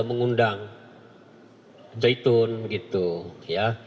itu mengundang ajaidun gitu ya